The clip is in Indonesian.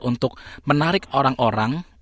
untuk menarik orang orang